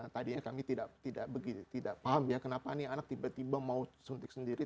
tadinya kami tidak paham ya kenapa ini anak tiba tiba mau suntik sendiri